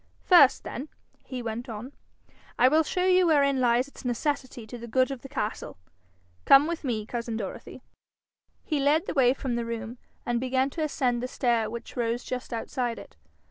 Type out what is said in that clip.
'First then,' he went on, 'I will show you wherein lies its necessity to the good of the castle. Come with me, cousin Dorothy.' He led the way from the room, and began to ascend the stair which rose just outside it.